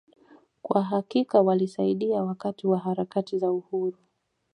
Kwa hakika walisaidia wakati wa harakati za Uhuru